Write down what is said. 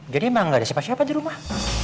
jadi emang gak ada siapa siapa dirumah